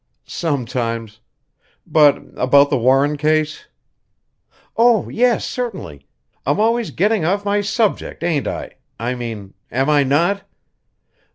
"Sometimes. But about the Warren case?" "Oh, yes, certainly! I'm always getting off my subject, ain't I? I mean am I not?